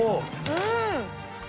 うん！